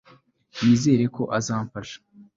nizere ko azamfasha